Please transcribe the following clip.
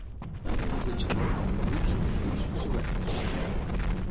Els de Xaló, cabuts, tossuts i sobergs.